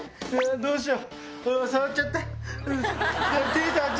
どうしよう？